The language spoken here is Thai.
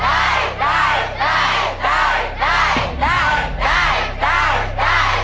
แม่ถิ่งทำได้หรือไม่ได้